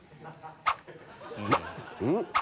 うん？